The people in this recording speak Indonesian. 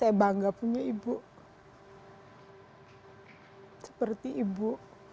hai hai hai saya bangga punya ibu seperti ibu